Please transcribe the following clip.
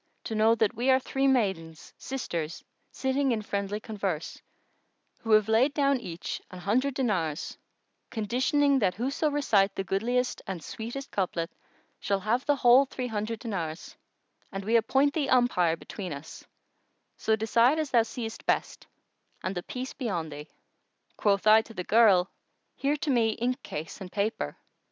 to know that we are three maidens, sisters, sitting in friendly converse, who have laid down each an hundred dinars, conditioning that whoso recite the goodliest and sweetest couplet shall have the whole three hundred dinars; and we appoint thee umpire between us: so decide as thou seest best, and the Peace be on thee! Quoth I to the girl, Here to me inkcase and paper.